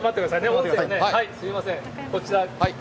音声ね、すみません、こちら。